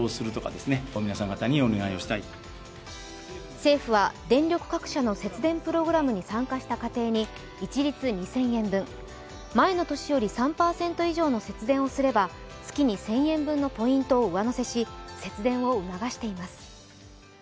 政府は電力各社の節電プログラムに参加した家庭に一律２０００円分、前の年より３％以上の節電をすれば月に１０００円分のポイントを上乗せし節電を促しています。